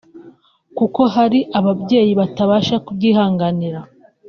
kuko hari ababyeyi batabasha kubyihanganira